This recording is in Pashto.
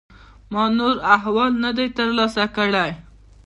ما نور احوال نه دی ترلاسه کړی.